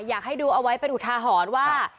อยากให้ดูเอาไว้เป็นอุทาหรณ์ว่า